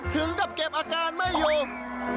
ถึงกับเก็บอาการไม่อยู่